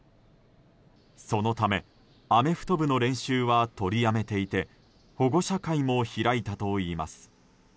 そのため、アメフト部の練習は取りやめていて保護者会も開いたといいます。